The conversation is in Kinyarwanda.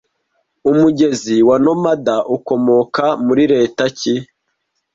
Umugezi wa Narmada ukomoka muri leta ki